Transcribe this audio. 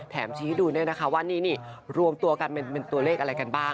ชี้ให้ดูด้วยนะคะว่านี่รวมตัวกันเป็นตัวเลขอะไรกันบ้าง